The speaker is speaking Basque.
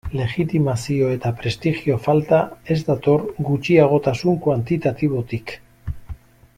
Legitimazio eta prestigio falta ez dator gutxiagotasun kuantitatibotik.